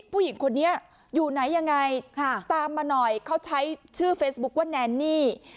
ผู้หญิงคนนี้อยู่ไหนยังไงตามมาหน่อยเขาใช้ชื่อเฟซบุ๊คว่าแนนนี่